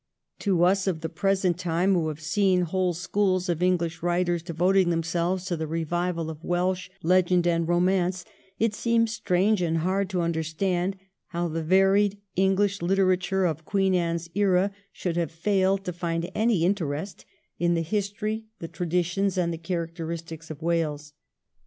To us of the present time, who have seen whole schools of English writers devoting themselves to the revival of Welsh legend and romance, it seems strange and hard to understand how the varied English literature of Queen Anne's era should have failed to find any interest in the history, the traditions, and the characteristics of Wales.